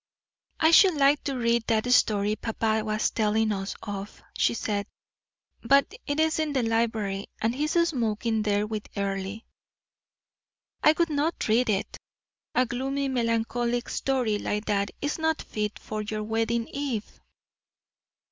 "I should like to read that story papa was telling us of," she said; "but it is in the library, and he is smoking there with Earle." "I would not read it; a gloomy, melancholy story like that is not fit for your wedding eve."